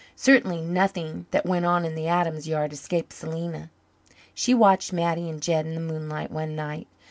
Certainly nothing that went on in the Adams yard escaped Selena. She watched Mattie and Jed in the moonlight one night.